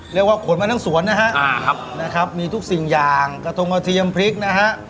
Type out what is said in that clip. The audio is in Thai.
เรียกว่าขนมาทั้งสวนนะฮะนะครับมีทุกสิ่งอย่างกระทงกระเทียมพริกนะฮะ